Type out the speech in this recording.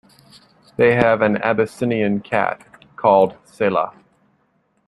They have an Abyssinian cat called Selah.